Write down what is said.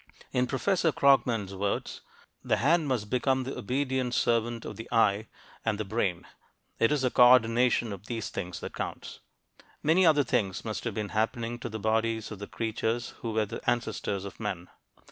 In Professor Krogman's words, "the hand must become the obedient servant of the eye and the brain." It is the co ordination of these things that counts. Many other things must have been happening to the bodies of the creatures who were the ancestors of men.